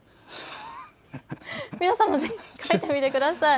皆さんもぜひ描いてみてください。